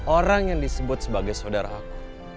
orang yang disebut sebagai saudara aku